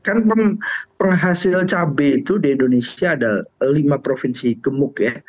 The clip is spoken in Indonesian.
kan penghasil cabai itu di indonesia ada lima provinsi gemuk ya